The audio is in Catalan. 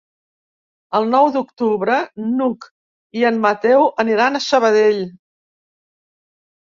El nou d'octubre n'Hug i en Mateu aniran a Sabadell.